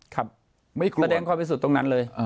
แสดงความผิดสุดตรงนั้นเลย